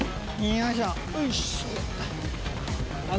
よいしょ。